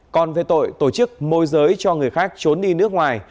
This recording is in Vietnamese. còn về tội tổ chức môi giới cho người khác trốn đi nước ngoài